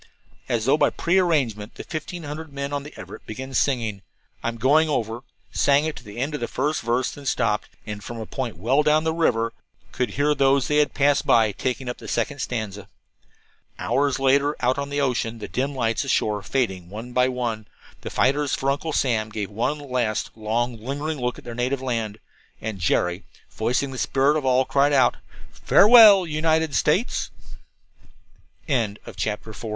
As though by prearrangement the fifteen hundred men on the Everett began singing, "I'm Going Over," sang it to the end of the first verse, then stopped, and from a point well down the river could hear those they had passed taking up the second stanza. Hours later, out upon the ocean, the dim lights ashore fading one by one, the fighters for Uncle Sam gave one last, long, lingering look at their native land. And Jerry, voicing the spirit of all, cried out: "Farewell, United States." CHAPTER V THE FIGHT I